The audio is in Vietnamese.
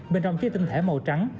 bên trong chiếc tinh thẻ màu trắng